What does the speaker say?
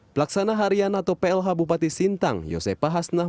pelaksana harian atau plh bupati sintang yosepah hasnabah